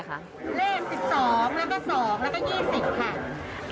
เลข๑๒แล้วก็๒แล้วก็๒๐ค่ะ